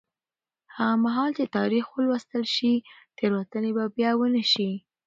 هغه مهال چې تاریخ ولوستل شي، تېروتنې به بیا ونه شي.